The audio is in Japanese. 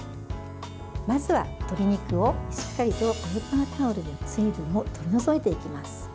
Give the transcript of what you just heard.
まずは、鶏肉をしっかりとペーパータオルで水分を取り除いていきます。